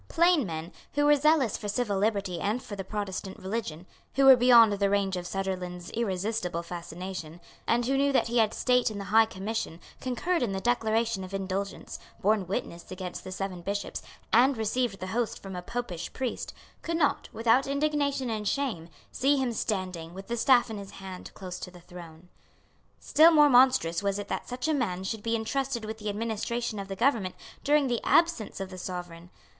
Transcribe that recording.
Plain men, who were zealous for civil liberty and for the Protestant religion, who were beyond the range of Sunderland's irresistible fascination, and who knew that he had sate in the High Commission, concurred in the Declaration of Indulgence, borne witness against the Seven Bishops, and received the host from a Popish priest, could not, without indignation and shame, see him standing, with the staff in his hand, close to the throne. Still more monstrous was it that such a man should be entrusted with the administration of the government during the absence of the Sovereign.